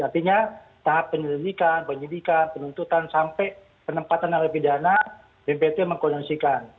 artinya tahap penyelidikan penyelidikan penuntutan sampai penempatan narapidana bnpb mengkoordinasikan